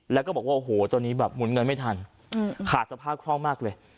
แล้วก็บอกว่าโอ้โหตอนนี้แบบหมุนเงินไม่ทันขาดสภาพคล่องมากเลย